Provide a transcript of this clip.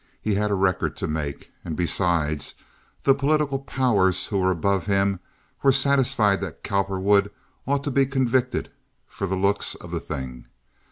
He had a record to make; and, besides, the political powers who were above him were satisfied that Cowperwood ought to be convicted for the looks of the thing.